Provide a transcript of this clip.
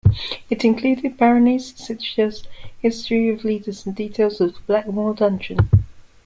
It included baronies, citadels, history of leaders and details on the Blackmoor dungeon.